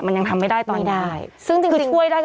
มันยังทำไม่ได้ตอนนี้